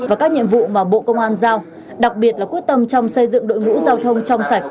và các nhiệm vụ mà bộ công an giao đặc biệt là quyết tâm trong xây dựng đội ngũ giao thông trong sạch